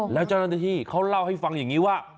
แล้วเจ้าหน้าที่เขาเล่าให้ฟังอย่างนี้ว่า